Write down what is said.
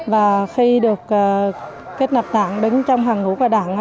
và khi được kết nạp đảng đứng trong hàng ngũ của đảng